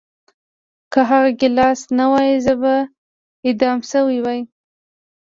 که هغه ګیلاس نه وای زه به اعدام شوی وای